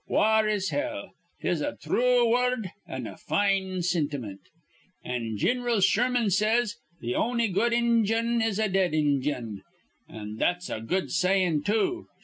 'War is hell': 'tis a thrue wurrud an' a fine sintiment. An' Gin'ral Sherman says, 'Th' on'y good Indyun is a dead Indyun.' An' that's a good sayin', too.